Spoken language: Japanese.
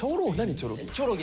チョロギ？